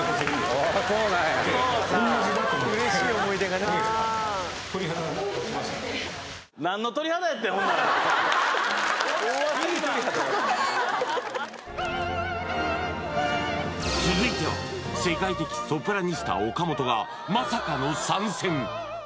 確変続いては世界的ソプラニスタ岡本がまさかの参戦！